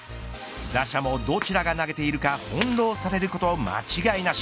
打者もどちらが投げているかほんろうされること間違いなし。